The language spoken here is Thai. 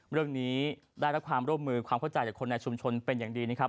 เรื่องนี้ได้รับความร่วมมือความเข้าใจจากคนในชุมชนเป็นอย่างดีนะครับ